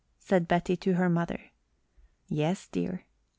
said Betty to her mother. "Yes, dear."